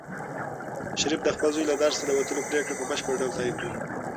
شریف د خپل زوی له درسه د وتلو پرېکړه په بشپړ ډول تایید کړه.